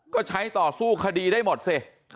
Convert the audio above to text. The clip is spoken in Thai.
ก็ใช้ต่อสู้คดีได้หมดสิ